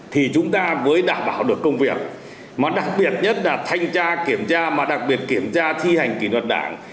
thì chúng ta mới đảm bảo được công việc mà đặc biệt nhất là thanh tra kiểm tra mà đặc biệt kiểm tra thi hành kỷ luật đảng